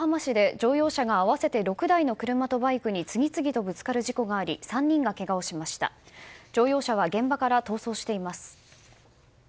乗用車は現場から逃走しています。